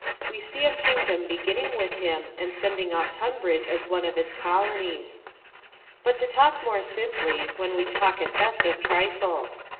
We see a kingdom beginning with him, and sending off Tunbridge as one of its colonies. But to talk more simply, when we talk at best of trifles.